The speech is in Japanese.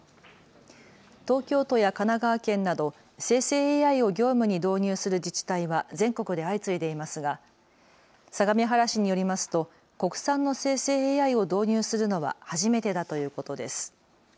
東京都や神奈川県など生成ＡＩを業務に導入する自治体は全国で相次いでいますが相模原市によりますと国産の生成ＡＩを導入するのは初めてだということです。